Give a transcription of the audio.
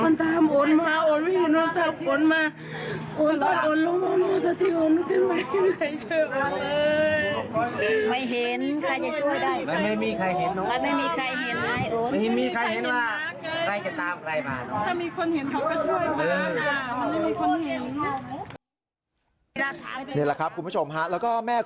นี่แหละครับคุณผู้ชมแล้วก็แม่คุณมาร์ค